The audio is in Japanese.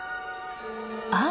あ！